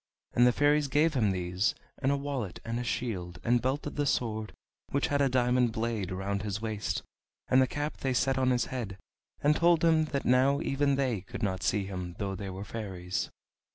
And the fairies gave him these, and a wallet, and a shield, and belted the sword, which had a diamond blade, round his waist, and the cap they set on his head, and told him that now even they could not see him though they were fairies.